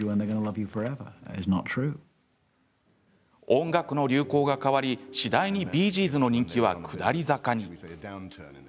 音楽の流行が変わり次第にビー・ジーズの人気は下り坂に。